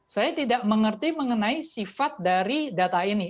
saya tidak mengerti mengenai sifat dari data ini